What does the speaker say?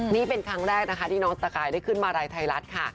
นี่เป็นครั้งแรกนะคะที่น้องสกายได้ขึ้นมาลัยไทยรัฐค่ะ